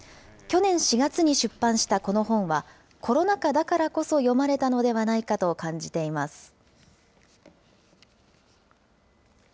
去年４月に出版したこの本は、コロナ禍だからこそ読まれたのではないかと感じています。